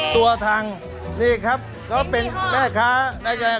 ตัวทางนี่ครับก็เป็นแม่ค้าขายมานานหรือยัง